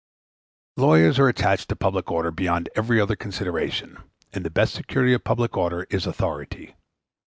Lawyers are attached to public order beyond every other consideration, and the best security of public order is authority.